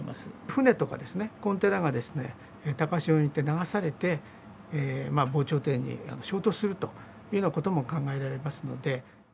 船とかコンテナが、高潮によって流されて、防潮堤に衝突するというようなことも考えられますので。